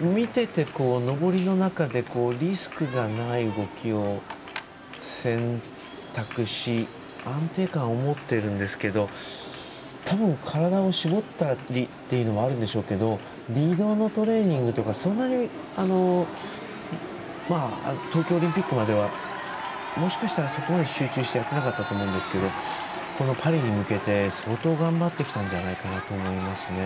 見てて登りの中でリスクがない動きを選択し、安定感を持っているんですけど多分、体を絞ったりっていうのもあるんでしょうけどリード用のトレーニングとかそんなに東京オリンピックまではもしかしたら、そこまで集中してやってなかったと思うんですけれどもこのパリに向けて相当頑張ってきたんじゃないかなと思いますね。